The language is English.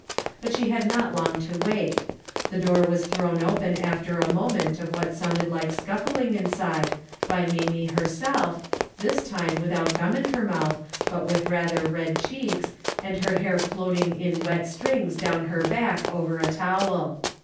But she had not long to wait. The door was thrown open after a moment of what sounded like scuffling inside, by Mamie herself, this time without gum in her mouth, but with rather red cheeks and her hair floating in wet strings down her back over a towel.